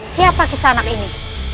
siapa kisah anak ini